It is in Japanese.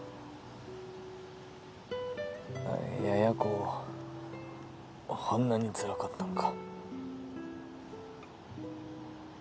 やや子ほんなにつらかったんか？